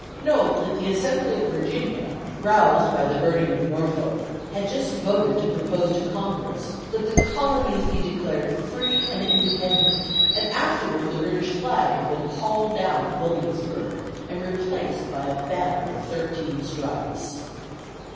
(Note that the Assembly of Virginia, roused by the burning of Norfolk, had just voted to propose to Congress "that the colonies be declared free and independent"; and afterward the British flag had been hauled down at Williamsburg and replaced by a banner with thirteen stripes.)